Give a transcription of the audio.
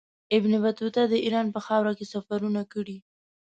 ابن بطوطه د ایران په خاوره کې سفرونه کړي.